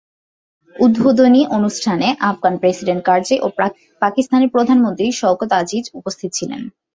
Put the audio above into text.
উদ্বোধনী অনুষ্ঠানে আফগান প্রেসিডেন্ট কারজাই ও পাকিস্তানের প্রধানমন্ত্রী শওকত আজিজ উপস্থিত ছিলেন।